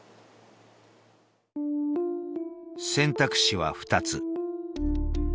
選択肢は２つ。